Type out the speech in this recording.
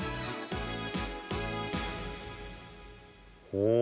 お！